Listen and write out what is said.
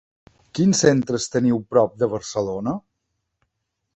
Quins centres teniu a prop de Barcelona?